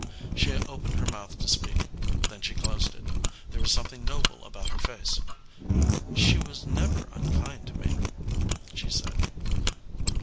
She opened her mouth to speak. Then she closed it. There was something noble about her face. "She was never unkind to me," she said.